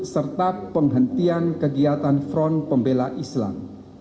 serta penghentian kegiatan front pembela islam